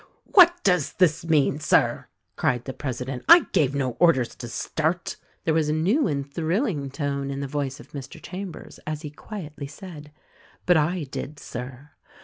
"What does this mean, Sir?" cried the president "I gave no orders to start." There was a new and thrilling tone in the voice of Mr Chambers as he quietlv said, "But I did, Sir.